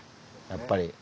やっぱり。